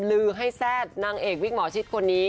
ลือให้แทรกนางเอกวิกหมอชิดคนนี้